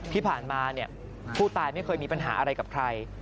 ที่ผ่านมาผู้ตายไม่เคยมีปัญหาอะไรกับใคร